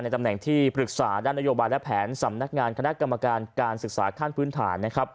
ตำแหน่งที่ปรึกษาด้านนโยบายและแผนสำนักงานคณะกรรมการการศึกษาขั้นพื้นฐาน